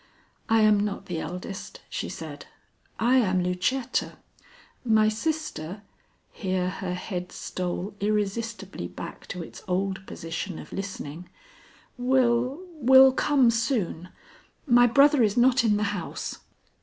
"I am not the eldest," she said. "I am Lucetta. My sister" here her head stole irresistibly back to its old position of listening "will will come soon. My brother is not in the house."